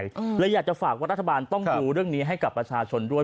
เลยอยากจะฝากว่ารัฐบาลต้องดูเรื่องนี้ให้กับประชาชนด้วย